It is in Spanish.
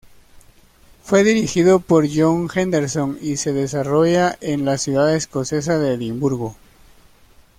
Fue dirigido por John Henderson, y se desarrolla en la ciudad escocesa de Edimburgo.